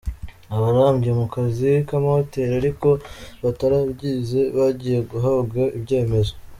Abarambye mu kazi k’amahoteli ariko batarabyize bagiye guhabwa ibyemezo